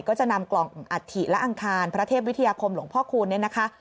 ก็จะนำกล่องอัฐิและอังคารพระเทพวิทยาคมหลวงพ่อคูณเนี่ยนะคะ